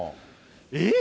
えっ？